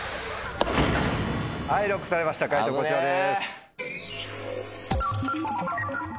はいＬＯＣＫされました解答こちらです。